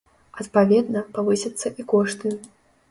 Адпаведна, павысяцца і кошты.